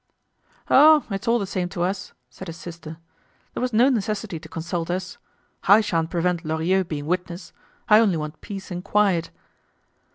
"Oh, it's all the same to us," said his sister. "There was no necessity to consult us. I shan't prevent Lorilleux being witness. I only want peace and quiet."